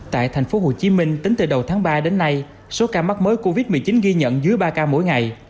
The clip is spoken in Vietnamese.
tại tp hcm tính từ đầu tháng ba đến nay số ca mắc mới covid một mươi chín ghi nhận dưới ba ca mỗi ngày